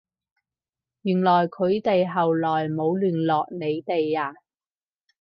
原來佢哋後來冇聯絡你哋呀？